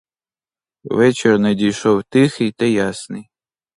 Вечір надійшов тихий та ясний.